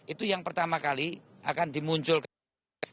itu yang pertama kali akan dimunculkan